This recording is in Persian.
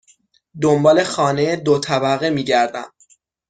دنبال خانه دو طبقه می گردم.